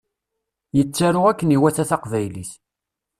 Yettaru akken iwata taqbaylit